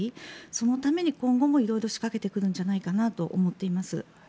そのために今後も色々仕掛けてくるのではと思っています。